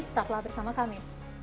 tetaplah bersama kami